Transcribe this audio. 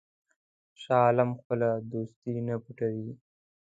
شاه عالم خپله دوستي نه پټوي.